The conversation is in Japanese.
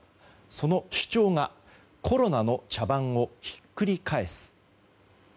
その主張が、コロナの茶番をひっくり返す。